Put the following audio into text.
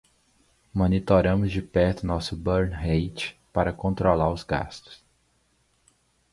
Monitoramos de perto nosso burn rate para controlar os gastos.